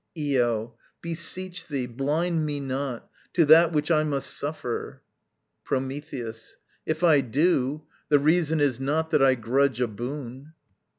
Io. Beseech thee, blind me not To that which I must suffer. Prometheus. If I do, The reason is not that I grudge a boon.